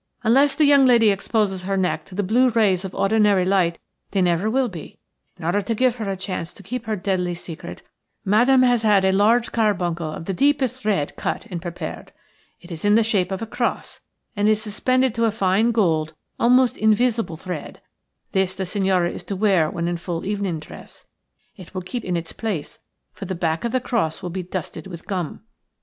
Unless the young lady exposes her neck to the blue rays of ordinary light they never will be. In order to give her a chance to keep her deadly secret Madame has had a large carbuncle of the deepest red cut and prepared. It is in the shape of a cross, and is suspended to a fine gold, almost invisible, thread. This the signora is to wear when in full evening dress. It will keep in its place, for the back of the cross will be dusted with gum."